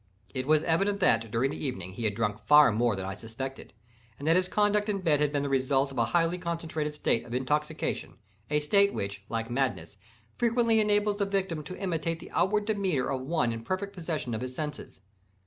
It was evident that, during the evening, he had drunk far more than I suspected, and that his conduct in bed had been the result of a highly concentrated state of intoxication—a state which, like madness, frequently enables the victim to imitate the outward demeanour of one in perfect possession of his senses.